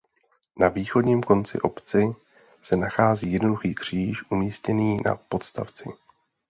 Na východním konci obci se nachází jednoduchý křížek umístěný na podstavci.